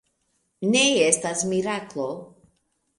Ne estas miraklo.